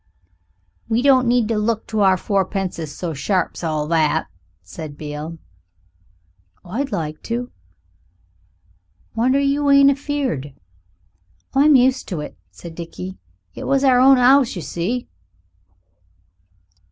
"We don't need to look to our fourpences so sharp's all that," said Beale. "I'd like to." "Wonder you ain't afeared." "I'm used to it," said Dickie; "it was our own 'ouse, you see."